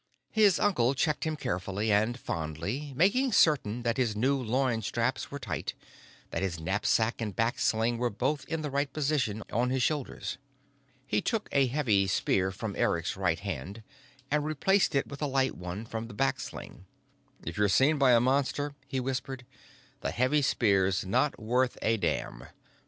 His uncle checked him carefully and fondly, making certain that his new loin straps were tight, that his knapsack and back sling were both in the right position on his shoulders. He took a heavy spear from Eric's right hand and replaced it with a light one from the back sling. "If you're seen by a Monster," he whispered, "the heavy spear's not worth a damn.